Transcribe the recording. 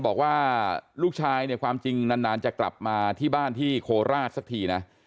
บอกว่าลูกชายเนี่ยความจริงนานจะกลับมาที่บ้านที่โคราชสักทีนะ